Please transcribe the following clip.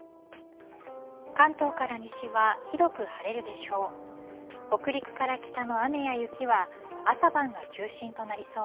関東から西は広く晴れるでしょう。